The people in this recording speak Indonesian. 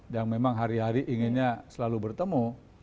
dan memang hari hari inginnya selalu bertemu